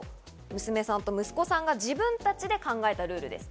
娘さんと息子さんが自分たちで考えたルールです。